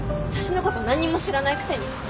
私のこと何にも知らないくせに。